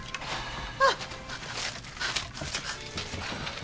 あっ。